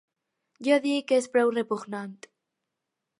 Jo dic que és prou repugnant.